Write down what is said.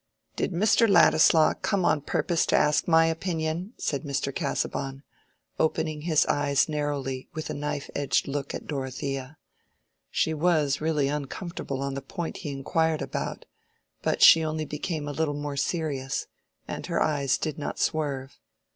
"Did Mr. Ladislaw come on purpose to ask my opinion?" said Mr. Casaubon, opening his eyes narrowly with a knife edged look at Dorothea. She was really uncomfortable on the point he inquired about, but she only became a little more serious, and her eyes did not swerve.